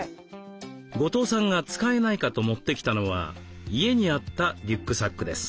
後藤さんが使えないかと持ってきたのは家にあったリュックサックです。